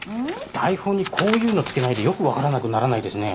台本にこういうの付けないでよく分からなくならないですね。